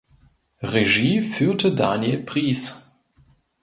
Regie führte Daniel Prieß.